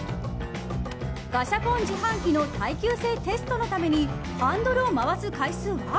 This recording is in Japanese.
ガシャポン自販機の耐久性テストのためにハンドルを回す回数は？